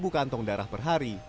sepuluh kantong darah per hari